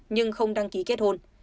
nhưng không đăng ký kết hôn